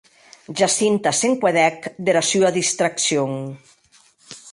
Jacinta se n’encuedèc dera sua distraccion.